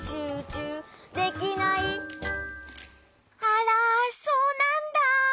あらそうなんだ。